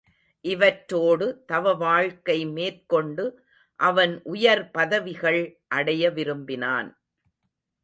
இவற்றோடு தவ வாழ்க்கை மேற் கொண்டு அவன் உயர் பதவிகள் அடைய விரும்பினான்.